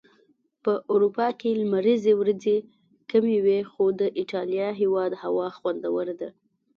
په اروپا کي لمريزي ورځي کمی وي.خو د ايټاليا هيواد هوا خوندوره ده